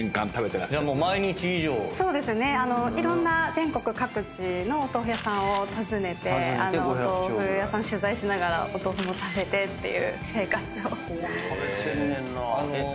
全国各地のお豆腐屋さんを訪ねてお豆腐屋さん取材しながらお豆腐も食べてっていう生活を。